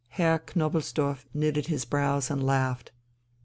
Herr Knobelsdorff knitted his brows and laughed.